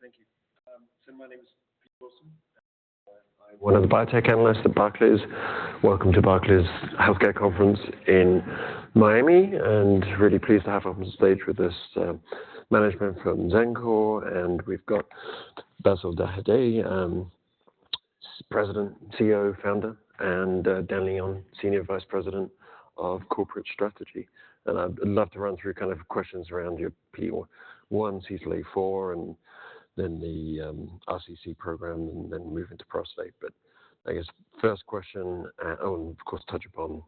Perfect, thank you. So my name is Peter Lawson. One of the biotech analysts at Barclays. Welcome to the Barclays Healthcare Conference in Miami, and really pleased to have up on stage with us management from Xencor. We've got Bassil Dahiyat, President, CEO, founder, and Dane Leone, Senior Vice President of Corporate Strategy. I'd love to run through kind of questions around your PD-1, CTLA-4, and then the RCC program, and then move into prostate. But I guess first question, and of course touch upon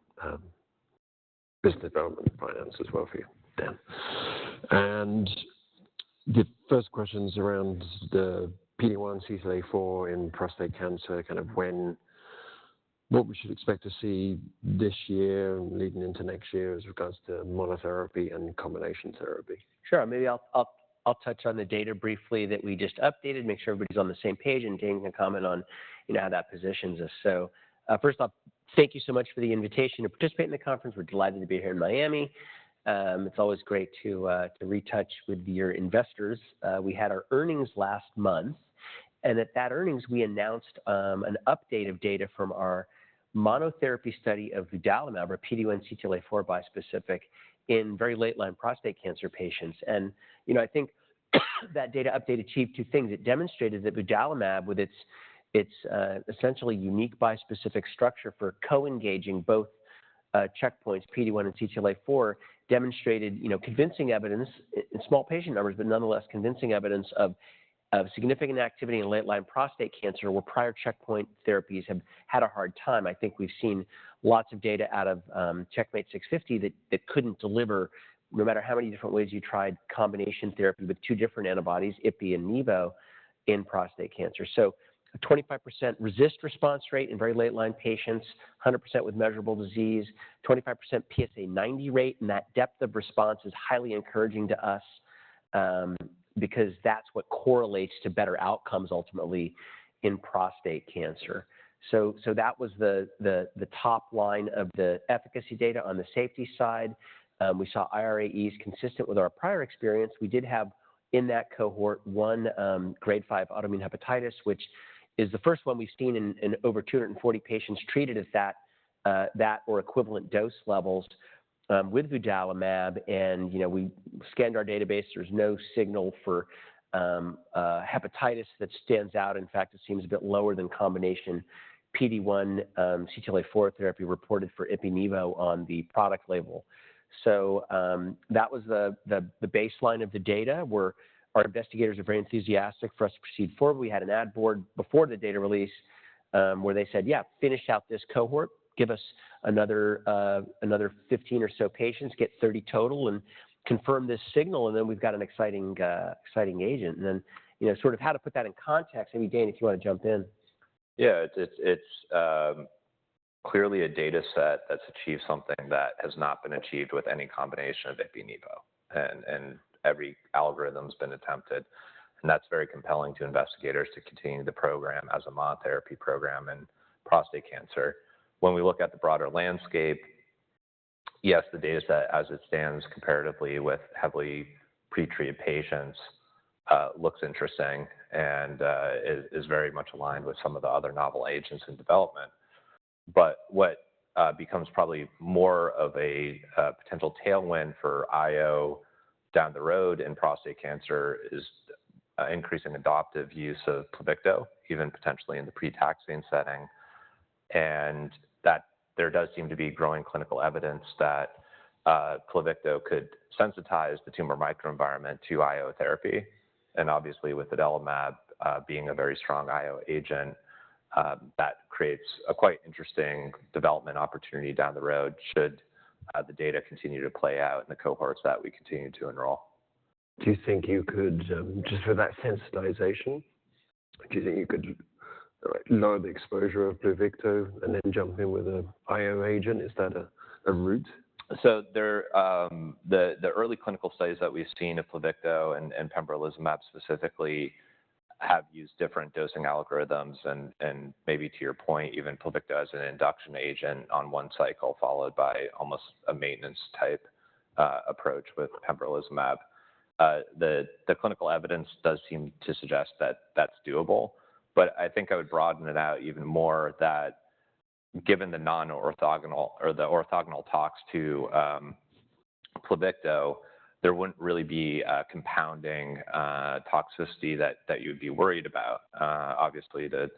business development and finance as well for you, Dane. The first question's around the PD1, C3, 4 in prostate cancer, kind of what we should expect to see this year leading into next year as regards to monotherapy and combination therapy. Sure. Maybe I'll touch on the data briefly that we just updated, make sure everybody's on the same page, and Dane can comment on how that positions us. So first off, thank you so much for the invitation to participate in the conference. We're delighted to be here in Miami. It's always great to reconnect with your investors. We had our earnings last month, and at that earnings we announced an update of data from our monotherapy study of vudalimab, or PD-1 x CTLA-4 bispecific, in very late-line prostate cancer patients. And I think that data update achieved two things. It demonstrated that vudalimab, with its essentially unique bispecific structure for co-engaging both checkpoints, PD-1 and CTLA-4, demonstrated convincing evidence in small patient numbers, but nonetheless convincing evidence of significant activity in late-line prostate cancer where prior checkpoint therapies have had a hard time. I think we've seen lots of data out of CheckMate 650 that couldn't deliver, no matter how many different ways you tried, combination therapy with two different antibodies, IPI and Nivo, in prostate cancer. So a 25% RECIST response rate in very late-line patients, 100% with measurable disease, 25% PSA90 rate, and that depth of response is highly encouraging to us because that's what correlates to better outcomes ultimately in prostate cancer. So that was the top line of the efficacy data. On the safety side, we saw irAEs consistent with our prior experience. We did have in that cohort one grade 5 autoimmune hepatitis, which is the first one we've seen in over 240 patients treated at that or equivalent dose levels with vudalimab. And we scanned our database. There's no signal for hepatitis that stands out. In fact, it seems a bit lower than combination PD-1, CTLA-4 therapy reported for IPI, Nivo on the product label. So that was the baseline of the data, where our investigators are very enthusiastic for us to proceed forward. We had an ad board before the data release where they said, "Yeah, finish out this cohort. Give us another 15 or so patients. Get 30 total. And confirm this signal. And then we've got an exciting agent." And then sort of how to put that in context, maybe Dane, if you want to jump in. Yeah. It's clearly a data set that's achieved something that has not been achieved with any combination of IPI, Nivo. And every regimen's been attempted. And that's very compelling to investigators to continue the program as a monotherapy program in prostate cancer. When we look at the broader landscape, yes, the data set, as it stands comparatively with heavily pretreated patients, looks interesting and is very much aligned with some of the other novel agents in development. But what becomes probably more of a potential tailwind for IO down the road in prostate cancer is increasing adoption of Pluvicto, even potentially in the pre-taxane setting. And there does seem to be growing clinical evidence that Pluvicto could sensitize the tumor microenvironment to IO therapy. Obviously, with vudalimab being a very strong IO agent, that creates a quite interesting development opportunity down the road should the data continue to play out in the cohorts that we continue to enroll. Do you think you could just for that sensitization, do you think you could lower the exposure of Pluvicto and then jump in with an IO agent? Is that a route? So the early clinical studies that we've seen of Pluvicto and pembrolizumab specifically have used different dosing algorithms. And maybe to your point, even Pluvicto as an induction agent on one cycle, followed by almost a maintenance-type approach with pembrolizumab. The clinical evidence does seem to suggest that that's doable. But I think I would broaden it out even more that given the non-orthogonal or the orthogonal tox to Pluvicto, there wouldn't really be compounding toxicity that you'd be worried about. Obviously, the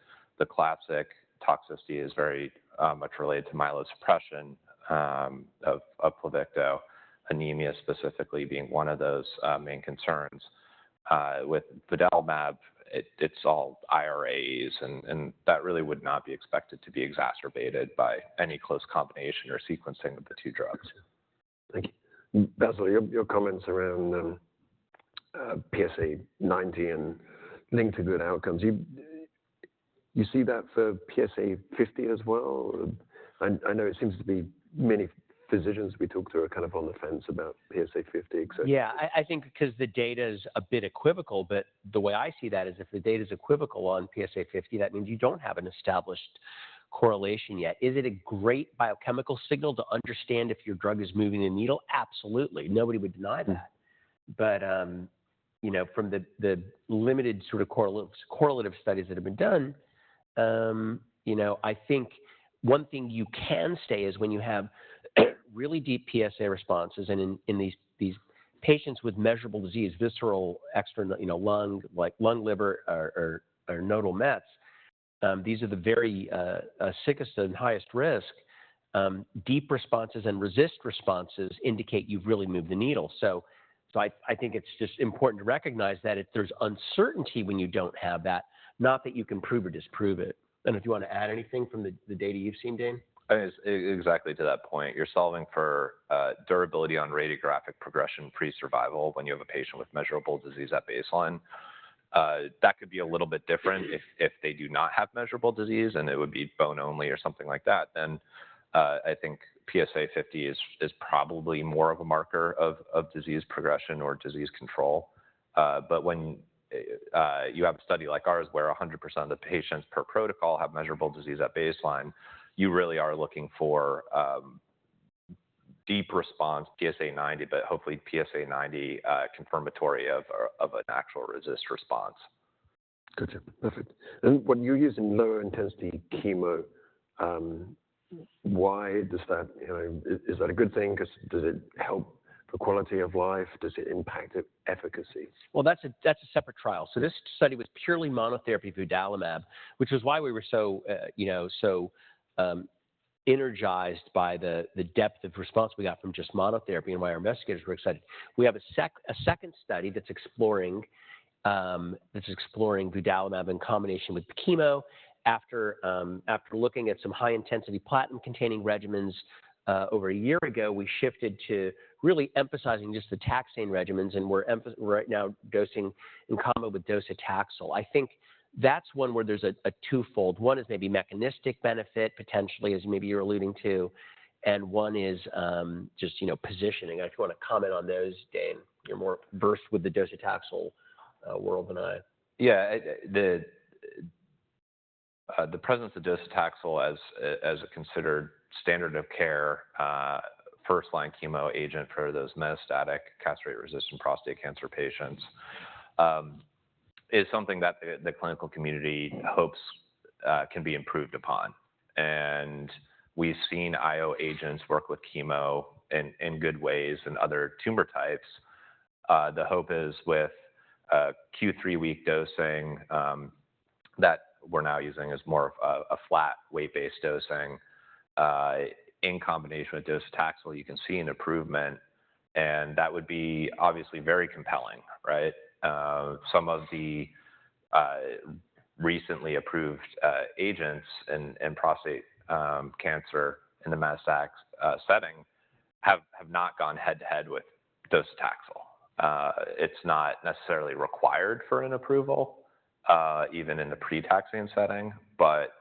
classic toxicity is very much related to myelosuppression of Pluvicto, anemia specifically being one of those main concerns. With vudalimab, it's all irAEs, and that really would not be expected to be exacerbated by any close combination or sequencing of the two drugs. Thank you. Bassil, your comments around PSA90 and link to good outcomes, you see that for PSA50 as well? I know it seems to be many physicians we talk to are kind of on the fence about PSA50, etc. Yeah. I think because the data is a bit equivocal. But the way I see that is if the data is equivocal on PSA 50, that means you don't have an established correlation yet. Is it a great biochemical signal to understand if your drug is moving the needle? Absolutely. Nobody would deny that. But from the limited sort of correlative studies that have been done, I think one thing you can say is when you have really deep PSA responses and in these patients with measurable disease, visceral, external, lung, like lung, liver, or nodal mets, these are the very sickest and highest risk, deep responses and RECIST responses indicate you've really moved the needle. So I think it's just important to recognize that if there's uncertainty when you don't have that, not that you can prove or disprove it. If you want to add anything from the data you've seen, Dane? Exactly to that point. You're solving for durability on radiographic progression-free survival when you have a patient with measurable disease at baseline. That could be a little bit different if they do not have measurable disease and it would be bone only or something like that. Then I think PSA 50 is probably more of a marker of disease progression or disease control. But when you have a study like ours where 100% of the patients per protocol have measurable disease at baseline, you really are looking for deep response. PSA 90, but hopefully PSA 90 confirmatory of an actual RECIST response. Gotcha. Perfect. And when you're using lower-intensity chemo, why is that a good thing? Does it help the quality of life? Does it impact efficacy? Well, that's a separate trial. So this study was purely monotherapy vudalimab, which was why we were so energized by the depth of response we got from just monotherapy and why our investigators were excited. We have a second study that's exploring vudalimab in combination with chemo. After looking at some high-intensity platinum-containing regimens over a year ago, we shifted to really emphasizing just the taxane regimens. And we're right now dosing in combo with docetaxel. I think that's one where there's a twofold. One is maybe mechanistic benefit, potentially, as maybe you're alluding to. And one is just positioning. If you want to comment on those, Dane, you're more versed with the docetaxel world than I. Yeah. The presence of docetaxel as a considered standard of care first-line chemo agent for those metastatic, castrate-resistant prostate cancer patients is something that the clinical community hopes can be improved upon. And we've seen IO agents work with chemo in good ways in other tumor types. The hope is with Q3-week dosing that we're now using is more of a flat weight-based dosing in combination with docetaxel. You can see an improvement. And that would be obviously very compelling, right? Some of the recently approved agents in prostate cancer in the metastatic setting have not gone head-to-head with docetaxel. It's not necessarily required for an approval, even in the pre-taxane setting. But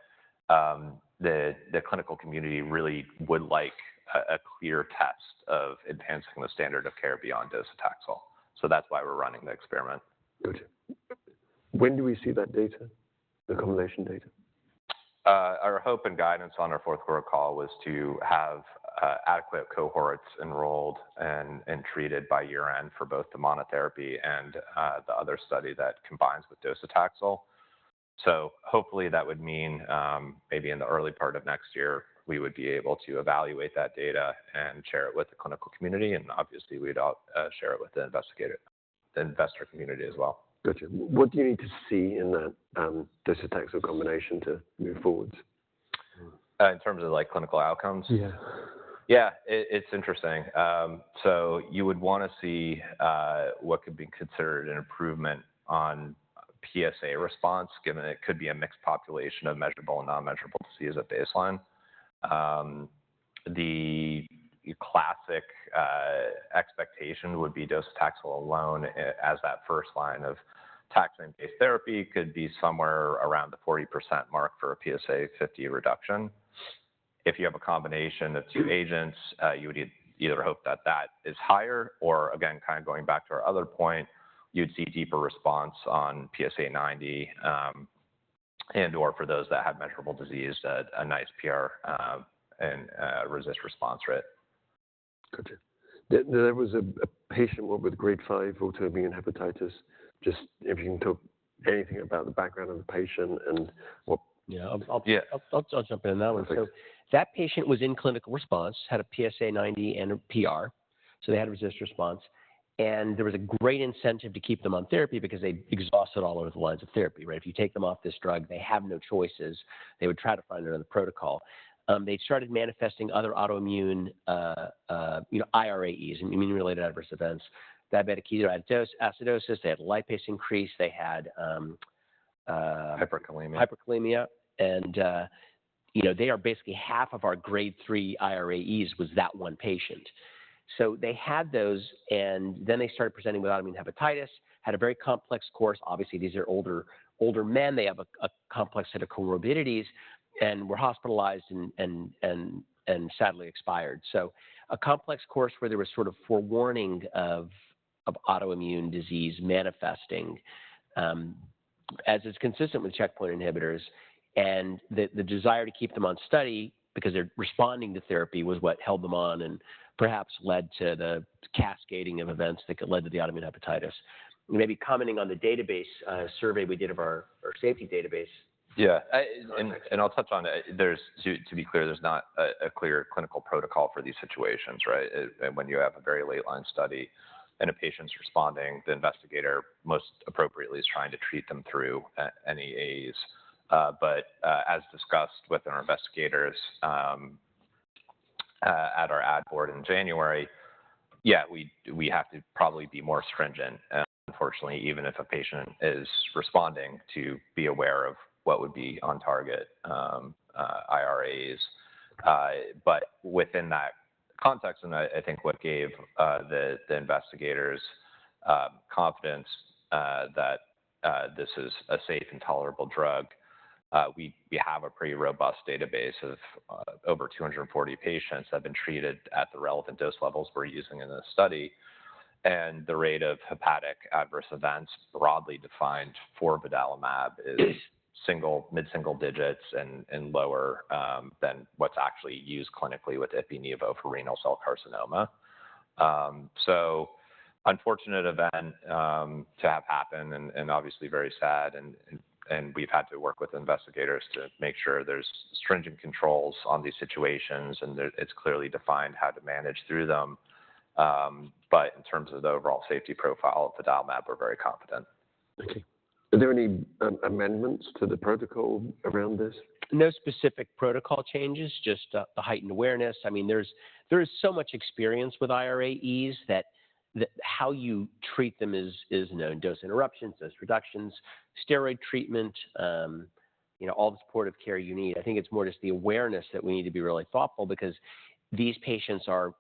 the clinical community really would like a clear test of enhancing the standard of care beyond docetaxel. So that's why we're running the experiment. Gotcha. When do we see that data, the combination data? Our hope and guidance on our fourth cohort call was to have adequate cohorts enrolled and treated by year-end for both the monotherapy and the other study that combines with docetaxel. So hopefully, that would mean maybe in the early part of next year, we would be able to evaluate that data and share it with the clinical community. And obviously, we'd share it with the investor community as well. Gotcha. What do you need to see in that docetaxel combination to move forward? In terms of clinical outcomes? Yeah. Yeah. It's interesting. So you would want to see what could be considered an improvement on PSA response, given it could be a mixed population of measurable and non-measurable disease at baseline. The classic expectation would be docetaxel alone as that first line of taxane-based therapy could be somewhere around the 40% mark for a PSA 50 reduction. If you have a combination of two agents, you would either hope that that is higher or, again, kind of going back to our other point, you'd see deeper response on PSA 90 and/or for those that have measurable disease, a nice PR and RECIST response rate. Gotcha. There was a patient with grade five autoimmune hepatitis. Just if you can talk anything about the background of the patient and what? Yeah. I'll jump in on that one. So that patient was in clinical response, had a PSA90 and a PR. So they had a RECIST response. And there was a great incentive to keep them on therapy because they exhausted all other lines of therapy, right? If you take them off this drug, they have no choices. They would try to find another protocol. They'd started manifesting other autoimmune irAEs, immune-related adverse events, diabetic ketoacidosis. They had lipase increase. They had. Hyperkalemia. Hyperkalemia. They are basically half of our grade 3 irAEs was that one patient. So they had those. Then they started presenting with autoimmune hepatitis, had a very complex course. Obviously, these are older men. They have a complex set of comorbidities and were hospitalized and sadly expired. So a complex course where there was sort of forewarning of autoimmune disease manifesting as it's consistent with checkpoint inhibitors. The desire to keep them on study because they're responding to therapy was what held them on and perhaps led to the cascading of events that led to the autoimmune hepatitis. Maybe commenting on the database survey we did of our safety database. Yeah. And I'll touch on it. To be clear, there's not a clear clinical protocol for these situations, right? And when you have a very late-line study and a patient's responding, the investigator most appropriately is trying to treat them through EAs. But as discussed with our investigators at our ad board in January, yeah, we have to probably be more stringent, unfortunately, even if a patient is responding to be aware of what would be on-target irAEs. But within that context, and I think what gave the investigators confidence that this is a safe and tolerable drug, we have a pretty robust database of over 240 patients that have been treated at the relevant dose levels we're using in this study. And the rate of hepatic adverse events broadly defined for vudalimab is mid-single digits and lower than what's actually used clinically with IPI, NEVO for renal cell carcinoma. Unfortunate event to have happened and obviously very sad. We've had to work with investigators to make sure there's stringent controls on these situations. It's clearly defined how to manage through them. But in terms of the overall safety profile of vudalimab, we're very confident. Thank you. Are there any amendments to the protocol around this? No specific protocol changes, just the heightened awareness. I mean, there is so much experience with irAEs that how you treat them is known. Dose interruptions, dose reductions, steroid treatment, all the supportive care you need. I think it's more just the awareness that we need to be really thoughtful because these patients are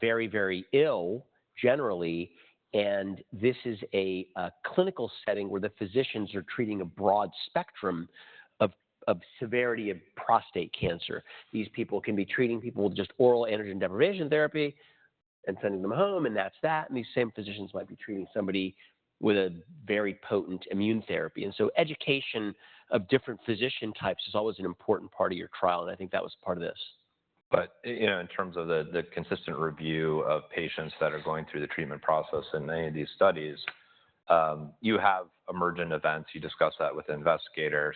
very, very ill, generally. This is a clinical setting where the physicians are treating a broad spectrum of severity of prostate cancer. These people can be treating people with just oral androgen deprivation therapy and sending them home. And that's that. These same physicians might be treating somebody with a very potent immune therapy. So education of different physician types is always an important part of your trial. And I think that was part of this. In terms of the consistent review of patients that are going through the treatment process in many of these studies, you have emergent events. You discuss that with the investigator.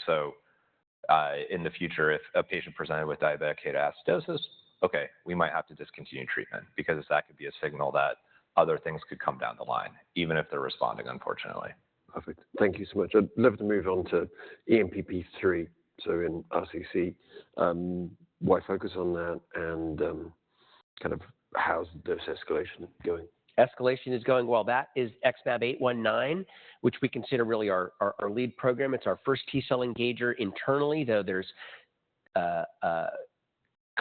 In the future, if a patient presented with diabetic ketoacidosis, okay, we might have to discontinue treatment because that could be a signal that other things could come down the line, even if they're responding, unfortunately. Perfect. Thank you so much. I'd love to move on to ENPP3. So in RCC, why focus on that and kind of how's the dose escalation going? Escalation is going well. That is XmAb819, which we consider really our lead program. It's our first T-cell engager internally, though there's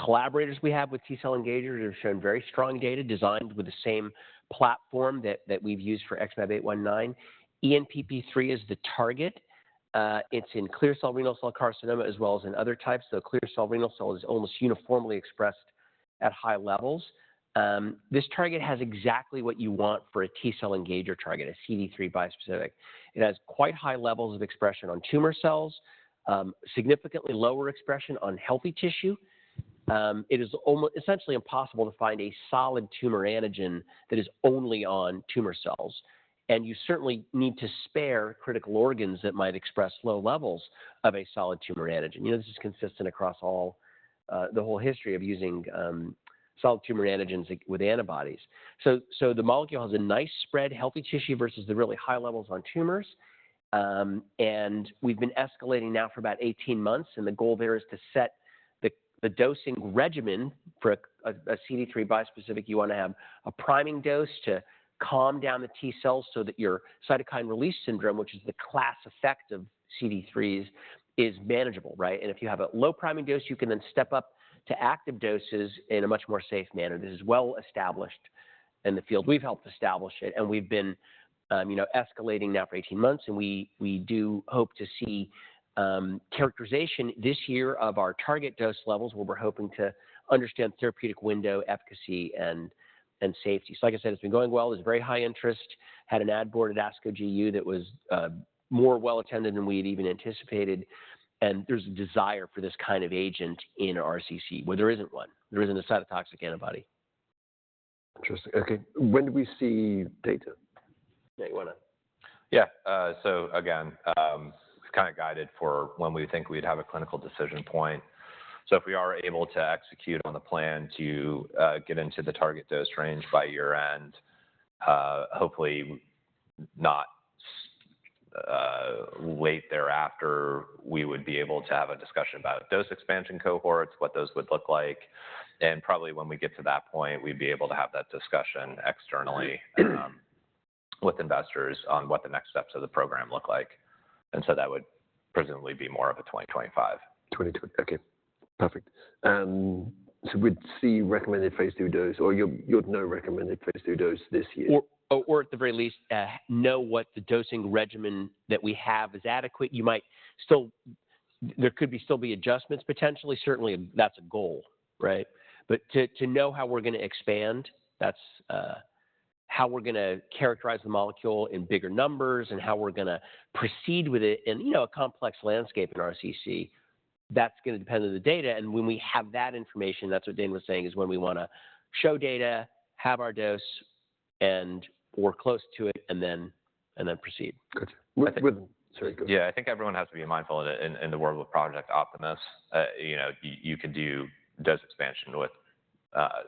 collaborators we have with T-cell engagers who have shown very strong data designed with the same platform that we've used for XmAb819. ENPP3 is the target. It's in clear cell renal cell carcinoma as well as in other types. So clear cell renal cell is almost uniformly expressed at high levels. This target has exactly what you want for a T-cell engager target, a CD3 bispecific. It has quite high levels of expression on tumor cells, significantly lower expression on healthy tissue. It is essentially impossible to find a solid tumor antigen that is only on tumor cells. And you certainly need to spare critical organs that might express low levels of a solid tumor antigen. This is consistent across the whole history of using solid tumor antigens with antibodies. So the molecule has a nice spread, healthy tissue versus the really high levels on tumors. And we've been escalating now for about 18 months. And the goal there is to set the dosing regimen for a CD3 bispecific. You want to have a priming dose to calm down the T cells so that your cytokine release syndrome, which is the class effect of CD3s, is manageable, right? And if you have a low priming dose, you can then step up to active doses in a much more safe manner. This is well established in the field. We've helped establish it. And we've been escalating now for 18 months. And we do hope to see characterization this year of our target dose levels where we're hoping to understand therapeutic window, efficacy, and safety. So like I said, it's been going well. There's very high interest. Had an ad board at ASCO GU that was more well attended than we had even anticipated. And there's a desire for this kind of agent in RCC where there isn't one. There isn't a cytotoxic antibody. Interesting. Okay. When do we see data? So again, it's kind of guided for when we think we'd have a clinical decision point. So if we are able to execute on the plan to get into the target dose range by year-end, hopefully not late thereafter, we would be able to have a discussion about dose expansion cohorts, what those would look like. And probably when we get to that point, we'd be able to have that discussion externally with investors on what the next steps of the program look like. And so that would presumably be more of a 2025. 2020. Okay. Perfect. So we'd see recommended phase 2 dose or you'd know recommended phase 2 dose this year? Or at the very least know what the dosing regimen that we have is adequate. There could still be adjustments potentially. Certainly, that's a goal, right? But to know how we're going to expand, how we're going to characterize the molecule in bigger numbers, and how we're going to proceed with it in a complex landscape in RCC, that's going to depend on the data. And when we have that information, that's what Dane was saying, is when we want to show data, have our dose, and/or close to it, and then proceed. Gotcha. Yeah. I think everyone has to be mindful in the world of Project Optimus. You can do dose expansion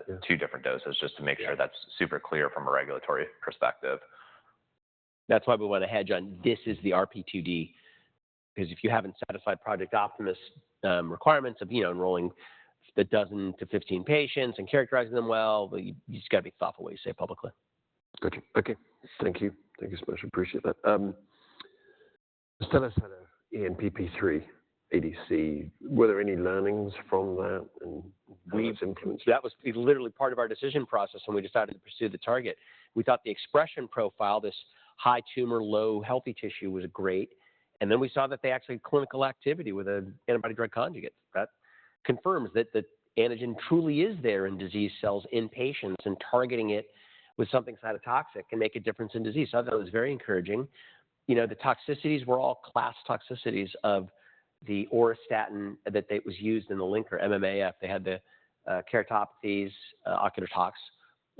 with two different doses just to make sure that's super clear from a regulatory perspective. That's why we want to hedge on this is the RP2D because if you haven't satisfied Project Optimus requirements of enrolling 12-15 patients and characterizing them well, you just got to be thoughtful when you say it publicly. Gotcha. Okay. Thank you. Thank you so much. Appreciate that. Astellas had an ENPP3 ADC. Were there any learnings from that and how it's influenced? That was literally part of our decision process when we decided to pursue the target. We thought the expression profile, this high tumor, low healthy tissue, was great. And then we saw that they actually had clinical activity with an antibody-drug conjugate. That confirms that the antigen truly is there in disease cells in patients and targeting it with something cytotoxic can make a difference in disease. So I thought it was very encouraging. The toxicities were all class toxicities of the auristatin that was used in the linker, MMAF. They had the keratopathies, ocular tox,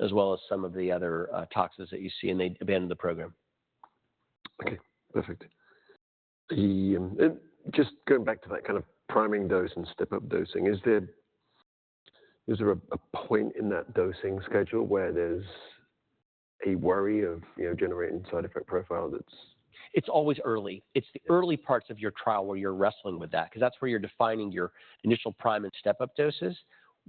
as well as some of the other toxicities that you see. And they abandoned the program. Okay. Perfect. Just going back to that kind of priming dose and step-up dosing, is there a point in that dosing schedule where there's a worry of generating side effect profile that's? It's always early. It's the early parts of your trial where you're wrestling with that because that's where you're defining your initial prime and step-up doses.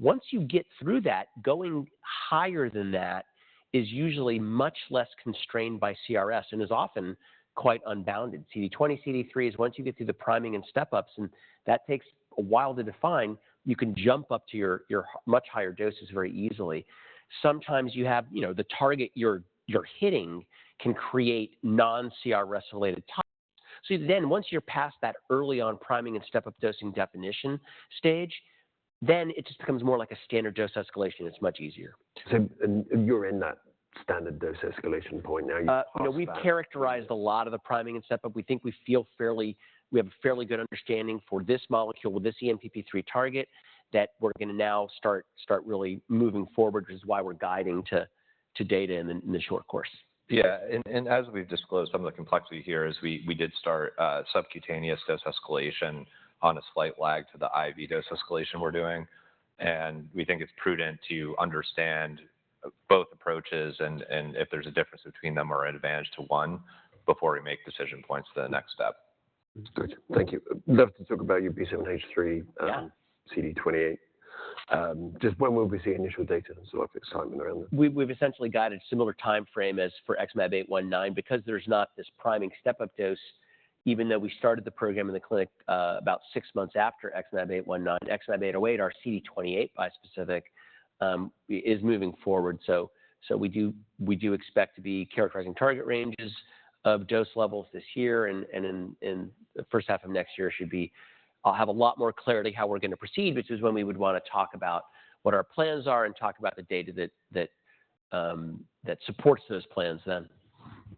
Once you get through that, going higher than that is usually much less constrained by CRS and is often quite unbounded. CD20, CD3 is once you get through the priming and step-ups, and that takes a while to define, you can jump up to your much higher doses very easily. Sometimes the target you're hitting can create non-CRS-related toxins. So then, once you're past that early on priming and step-up dosing definition stage, then it just becomes more like a standard dose escalation. It's much easier. So you're in that standard dose escalation point now. We've characterized a lot of the priming and step-up. We have a fairly good understanding for this molecule with this ENPP3 target that we're going to now start really moving forward, which is why we're guiding to data in the short course. Yeah. As we've disclosed, some of the complexity here is we did start subcutaneous dose escalation on a slight lag to the IV dose escalation we're doing. We think it's prudent to understand both approaches and if there's a difference between them or an advantage to one before we make decision points to the next step. Gotcha. Thank you. Love to talk about B7-H3, CD28. Just when will we see initial data and sort of excitement around that? We've essentially guided similar timeframe as for XmAb819 because there's not this priming step-up dose. Even though we started the program in the clinic about six months after XmAb819, XmAb808, our CD28 bispecific, is moving forward. So we do expect to be characterizing target ranges of dose levels this year. In the first half of next year, I'll have a lot more clarity how we're going to proceed, which is when we would want to talk about what our plans are and talk about the data that supports those plans then.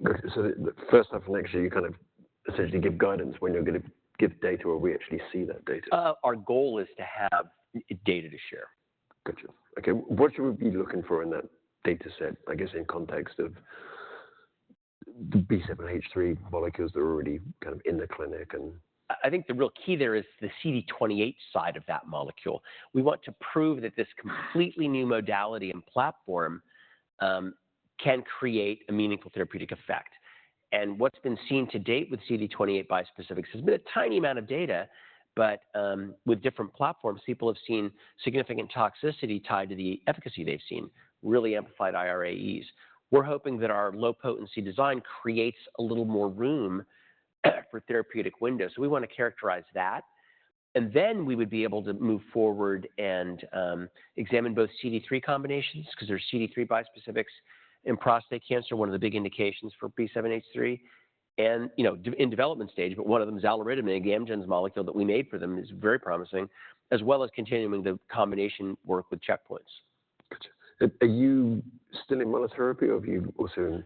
Gotcha. So the first half of next year, you kind of essentially give guidance when you're going to give data or we actually see that data? Our goal is to have data to share. Gotcha. Okay. What should we be looking for in that dataset, I guess, in context of the B7-H3 molecules that are already kind of in the clinic and? I think the real key there is the CD28 side of that molecule. We want to prove that this completely new modality and platform can create a meaningful therapeutic effect. And what's been seen to date with CD28 bispecifics has been a tiny amount of data. But with different platforms, people have seen significant toxicity tied to the efficacy they've seen, really amplified irAEs. We're hoping that our low-potency design creates a little more room for therapeutic windows. So we want to characterize that. And then we would be able to move forward and examine both CD3 combinations because there's CD3 bispecifics in prostate cancer, one of the big indications for B7-H3, and in development stage. But one of them is xaluritamig. Amgen's molecule that we made for them is very promising, as well as continuing the combination work with checkpoints. Gotcha. Are you still in monotherapy, or have you also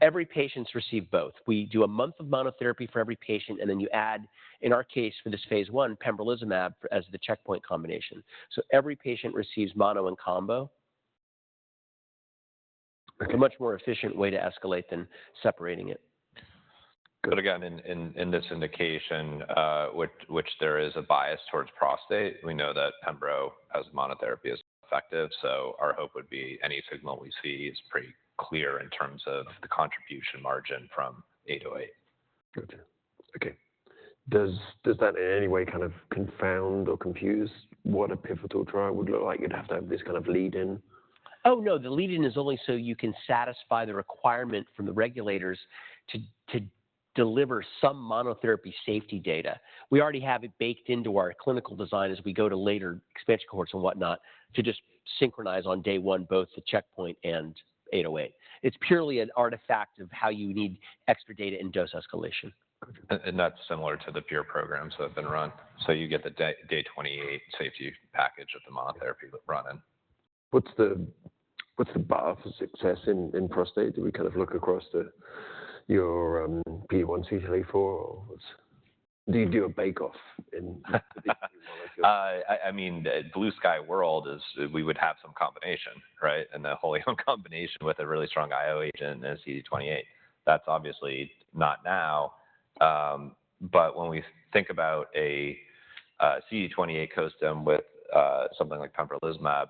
in? Every patient's received both. We do a month of monotherapy for every patient. And then you add, in our case, for this phase 1, Pembrolizumab as the checkpoint combination. So every patient receives mono and combo. It's a much more efficient way to escalate than separating it. But again, in this indication, which there is a bias towards prostate, we know that Pembro as monotherapy is effective. So our hope would be any signal we see is pretty clear in terms of the contribution margin from 808. Gotcha. Okay. Does that in any way kind of confound or confuse what a pivotal trial would look like? You'd have to have this kind of lead-in? Oh, no. The lead-in is only so you can satisfy the requirement from the regulators to deliver some monotherapy safety data. We already have it baked into our clinical design as we go to later expansion cohorts and whatnot to just synchronize on day one both the checkpoint and 808. It's purely an artifact of how you need extra data in dose escalation. That's similar to the prior programs that have been run. You get the day 28 safety package of the monotherapy running. What's the bar for success in prostate? Do we kind of look across to your PD-1 CTLA-4, or do you do a bake-off in the CD3 molecule? I mean, Blue Sky World is we would have some combination, right? And the whole combination with a really strong IO agent and a CD28. That's obviously not now. But when we think about a CD28 Costim with something like pembrolizumab,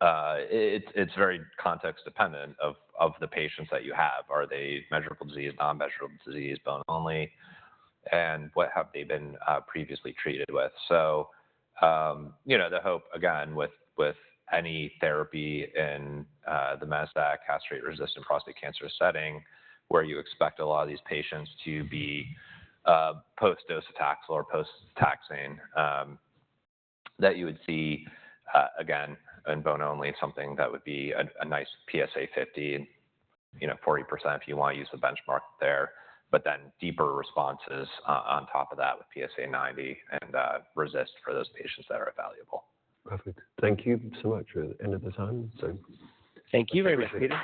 it's very context-dependent of the patients that you have. Are they measurable disease, non-measurable disease, bone-only? And what have they been previously treated with? So the hope, again, with any therapy in the metastatic, castrate-resistant prostate cancer setting where you expect a lot of these patients to be post-docetaxel or post-taxane, that you would see, again, in bone-only something that would be a nice PSA50, 40% if you want to use the benchmark there, but then deeper responses on top of that with PSA90 and RECIST for those patients that are evaluable. Perfect. Thank you so much for the end of the time. Thank you very much, Peter.